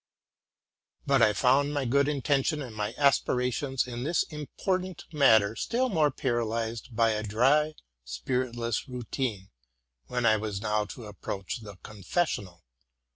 But I found my good intention and my aspirations in this important matter still more paralyzed by a dry, spiritless routine, when I was now to approach the confessional.